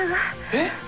えっ！